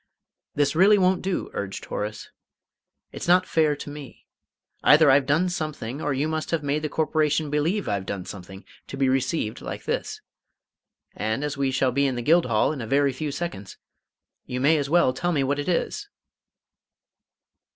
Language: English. "This really won't do!" urged Horace. "It's not fair to me. Either I've done something, or you must have made the Corporation believe I've done something, to be received like this. And, as we shall be in the Guildhall in a very few seconds, you may as well tell me what it is!"